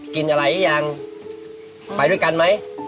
กินอะไรหรือยังไปด้วยกันไหม